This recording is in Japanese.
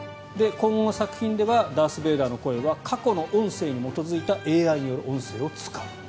今後の作品ではダース・ベイダーの声は過去の音声に基づいたＡＩによる音声を使う。